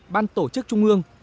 ban tổ chức trung ương